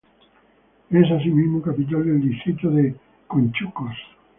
Es asimismo capital del distrito de Conchucos.